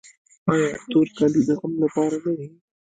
آیا تور کالي د غم لپاره نه دي؟